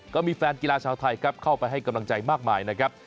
ก็มีแฟนกีฬาชาวไทยครับเข้าไปให้กำลังใจมากมายนะครับ